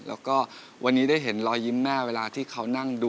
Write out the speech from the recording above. แล้วก็วันนี้ได้เห็นรอยยิ้มแม่เวลาที่เขานั่งดู